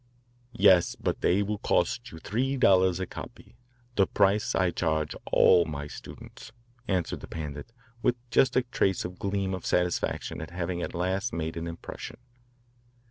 "Yes, but they will cost you three dollars a copy the price I charge all my students," answered the Pandit with just a trace of a gleam of satisfaction at having at last made an impression.